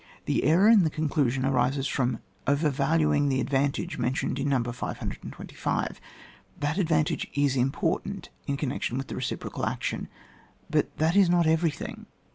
The error in the conclusion arises from over valuing the advantage men tioned in No. 525. That advantage is important in connection with the reci procal action, but that is not everything.